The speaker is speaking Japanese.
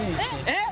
えっ？